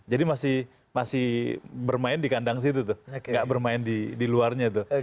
jadi masih bermain di kandang situ tuh gak bermain di luarnya tuh